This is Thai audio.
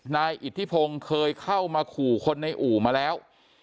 นายอิทธิพงศ์เคยเข้ามาขู่คนในอู่มาแล้ว